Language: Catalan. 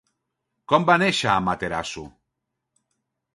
Com va néixer Amaterasu?